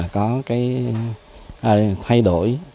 có cái thay đổi